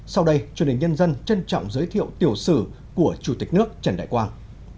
sau đây truyền hình nhân dân trân trọng giới thiệu tiểu sử của chủ tịch nước trần đại quang